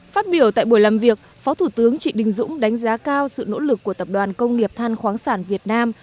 phát biểu tại buổi làm việc phó thủ tướng trịnh đình dũng đánh giá cao sự nỗ lực của tập đoàn công nghiệp than khoáng sản việt nam